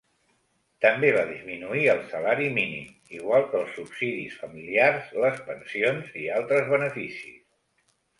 També va disminuir el salari mínim, igual que els subsidis familiars, les pensions i altres beneficis.